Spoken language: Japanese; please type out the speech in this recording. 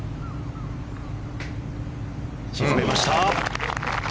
沈めました。